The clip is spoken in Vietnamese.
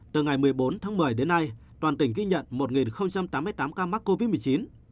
từ ngày một mươi bốn tháng một mươi đến nay toàn tỉnh ghi nhận một tám mươi tám ca mắc covid một mươi chín